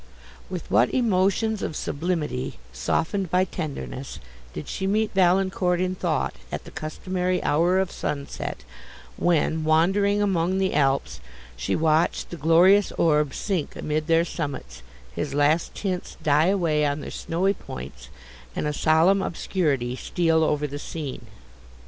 With what emotions of sublimity, softened by tenderness, did she meet Valancourt in thought, at the customary hour of sunset, when, wandering among the Alps, she watched the glorious orb sink amid their summits, his last tints die away on their snowy points, and a solemn obscurity steal over the scene!